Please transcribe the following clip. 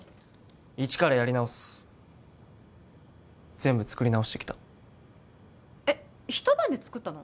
イチからやり直す全部作り直してきたえっ一晩で作ったの？